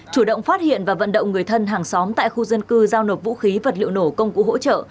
chủ động phát hiện và vận động người thân hàng xóm tại khu dân cư giao nộp vũ khí vật liệu nổ công cụ hỗ trợ